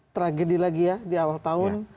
tragedi lagi ya di awal tahun